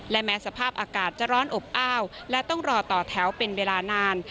และแม้สภาพอากาศจะร้อนอบอ้าวและต้องรอต่อแถวเป็นเวลานาน